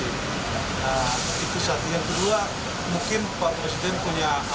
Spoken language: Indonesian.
itu saat yang kedua mungkin pak presiden punya alasan tertentu